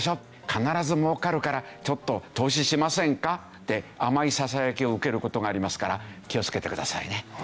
必ず儲かるからちょっと投資しませんか？」って甘いささやきを受ける事がありますから気をつけてくださいね。